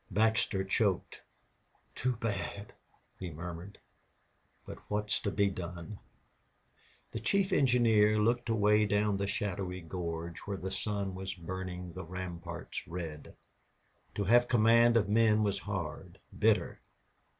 Baxter choked. "Too bad!" he murmured, "but what's to be done?" The chief engineer looked away down the shadowy gorge where the sun was burning the ramparts red. To have command of men was hard, bitter.